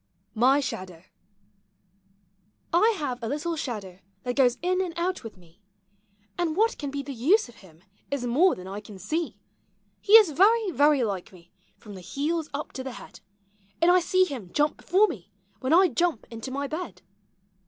MY SHADOW. I have a little shadow that goes in and out with me. And what can be the use of him is more than I can see. i:U POEMS OF HOME. He is very, very like me from the heels up to the head ; Aud I see him jump before me, when I jump into my bed.